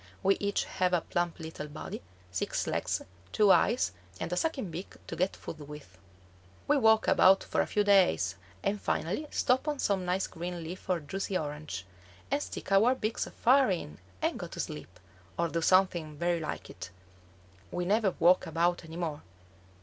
We each have a plump little body, six legs, two eyes, and a sucking beak to get food with. We walk about for a few days, and finally stop on some nice green leaf or juicy orange, and stick our beaks far in and go to sleep, or do something very like it. We never walk about any more.